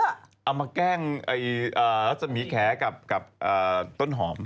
เอามาแกล้งรัศมีแขกับต้นหอม